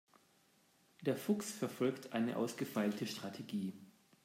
Der Fuchs verfolgt eine ausgefeilte Strategie.